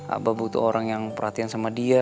apa butuh orang yang perhatian sama dia